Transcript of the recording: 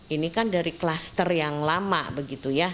ini kan dari kluster yang lama begitu ya